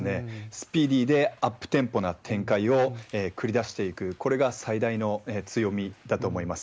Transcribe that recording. スピーディーでアップテンポな展開を繰り出していく、これが最大の強みだと思います。